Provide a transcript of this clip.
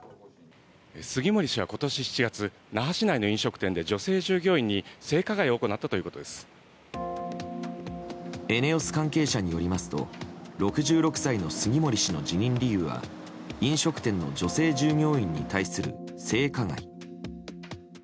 杉森氏は今年７月那覇市内の飲食店で女性従業員に性加害をＥＮＥＯＳ関係者によりますと６６歳の杉森氏の辞任理由は飲食店の女性従業員に対する性加害。